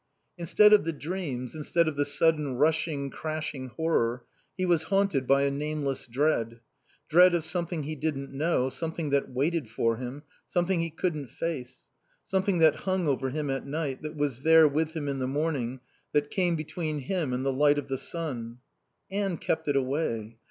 Instead of the dreams, instead of the sudden rushing, crashing horror, he was haunted by a nameless dread. Dread of something he didn't know, something that waited for him, something he couldn't face. Something that hung over him at night, that was there with him in the morning, that came between him and the light of the sun. Anne kept it away.